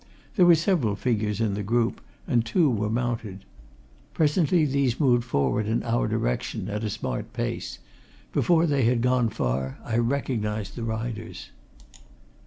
There were several figures in the group, and two were mounted. Presently these moved forward in our direction, at a smart pace; before they had gone far, I recognized the riders.